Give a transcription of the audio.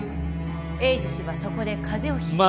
栄治氏はそこで風邪をひい。